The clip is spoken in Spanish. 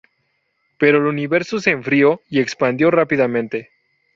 Pero el Universo se enfrió y expandió rápidamente.